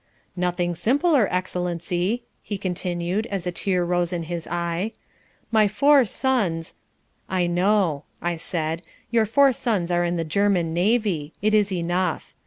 "Nothing simpler, Excellency," he continued as a tear rose in his eye. "My four sons, " "I know," I said; "your four sons are in the German Navy. It is enough.